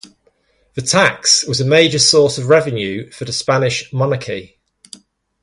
The tax was a major source of revenue for the Spanish monarchy.